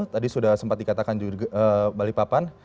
tadi sudah sempat dikatakan juga balikpapan